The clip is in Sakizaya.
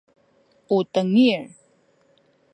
u tengil